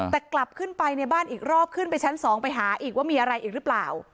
แต่กลับขึ้นไปในบ้านอีกรอบขึ้นไปชั้น๒ไปหาอีกว่ามีอะไรอีกหรือเปล่า